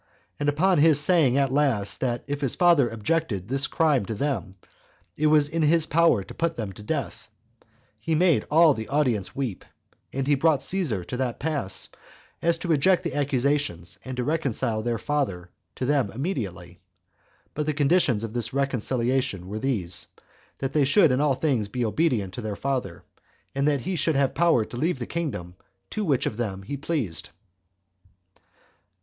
And upon his saying at last, that if his father objected this crime to them, it was in his power to put them to death, he made all the audience weep; and he brought Caesar to that pass, as to reject the accusations, and to reconcile their father to them immediately. But the conditions of this reconciliation were these, that they should in all things be obedient to their father, and that he should have power to leave the kingdom to which of them he pleased.